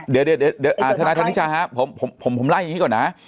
เดี๋ยวทนายธนิชาครับผมไล่อย่างนี้ก่อนนะ